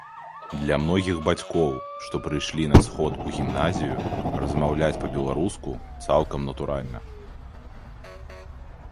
Для многіх бацькоў, што прыйшлі на сход у гімназію, размаўляць па-беларуску цалкам натуральна.